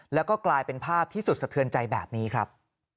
แล้วก็กลายเป็นภาพที่สุดสะเทือนใจแบบนี้ครับ